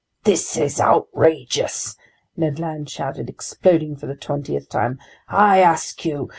"This is outrageous!" Ned Land shouted, exploding for the twentieth time. "I ask you!